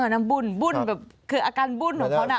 น้ำบุ่นบุ่นคืออาการบุ่นของคน